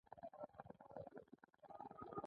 جارو وهي.